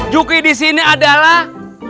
juki disini adalah